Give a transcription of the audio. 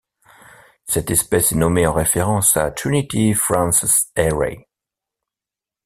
Cette espèce est nommée en référence à Trinity Frances Ayrey.